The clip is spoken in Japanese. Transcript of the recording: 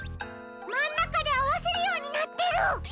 まんなかであわせるようになってる！